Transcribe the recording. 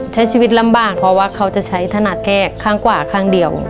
ใช้ชีวิตลำบากเพราะว่าเขาจะใช้ถนัดแก้ข้างขวาข้างเดียว